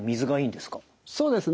そうですね。